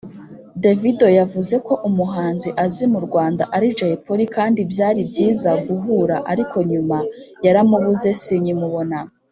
Davido yavuze ko umuhanzi azi mu Rwanda ari Jay Polly kandi byari byiza guhura ariko nyuma yaramubuze sinkimubona